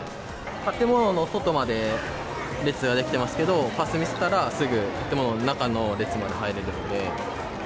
建物の外まで列が出来てますけど、パス見せたら、すぐ建物の中の列まで入れるので。